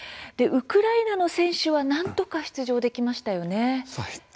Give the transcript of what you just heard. ウクライナの選手はなんとか出場できましたよね。